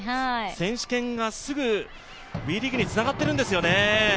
選手権がすぐＷＥリーグにつながってるんですよね。